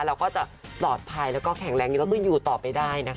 เราก็จะปลอดภัยแล้วก็แข็งแรงอยู่แล้วก็อยู่ต่อไปได้นะคะ